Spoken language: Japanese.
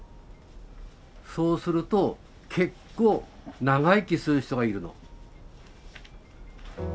そうすると結構長生きする人がいるの。